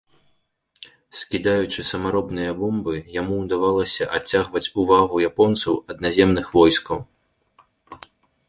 Скідаючы самаробныя бомбы, яму ўдавалася адцягваць увагу японцаў ад наземных войскаў.